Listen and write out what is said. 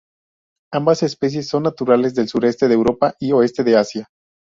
Ambas especies son naturales del sureste de Europa y oeste de Asia.